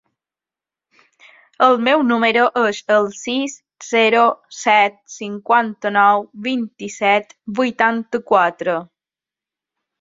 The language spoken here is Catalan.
El meu número es el sis, zero, set, cinquanta-nou, vint-i-set, vuitanta-quatre.